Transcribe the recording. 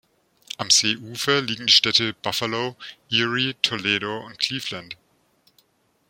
Am Seeufer liegen die Städte Buffalo, Erie, Toledo und Cleveland.